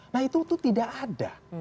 nah itu tidak ada